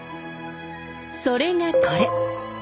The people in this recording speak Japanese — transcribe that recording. それがこれ。